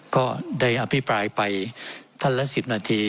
ก็ได้อภิปรายไปท่านละ๑๐นาที